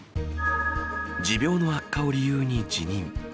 持病の悪化を理由に辞任。